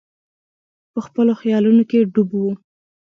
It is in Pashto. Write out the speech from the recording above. په خپلو خیالونو کې ډوب وو.